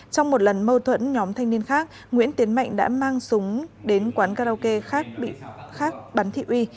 trong một lần mâu thuẫn nhóm thanh niên khác nguyễn tiến mạnh đã mang súng đến quán karaoke khác bắn thị uy